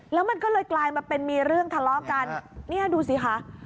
แล้วมันก็เลยกลายมาเป็นมีเรื่องทะเลาะกันเนี่ยดูสิคะ